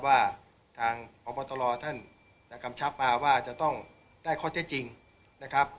ว่าทางพบตรท่านกำชับมาว่าจะต้องได้ข้อเท็จจริงนะครับ